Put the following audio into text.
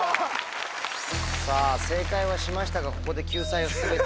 さぁ正解はしましたがここで救済を全て。